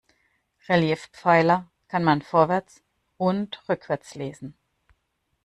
Reliefpfeiler kann man vorwärts und rückwärts lesen.